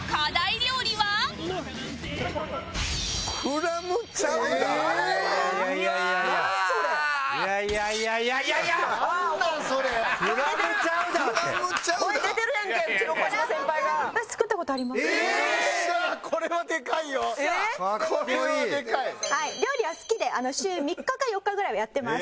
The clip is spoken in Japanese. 料理は好きで週３日か４日ぐらいはやってます。